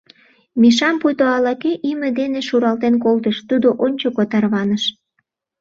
Мишам пуйто ала-кӧ име дене шуралтен колтыш — тудо ончыко тарваныш.